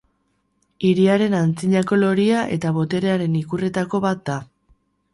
Hiriaren antzinako loria eta boterearen ikurretako bat da.